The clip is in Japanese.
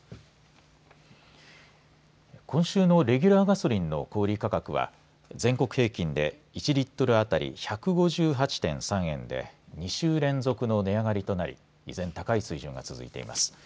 今週のレギュラーガソリンの小売価格は全国平均で１リットル当たり１５８．３円で２週連続の値上がりとなり依然、高い水準が続いています。